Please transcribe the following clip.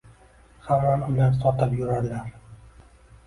Hamon ular sotib yurarlar.